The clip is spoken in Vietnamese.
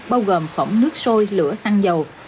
bao gồm phỏng nước sôi lửa xăng dầu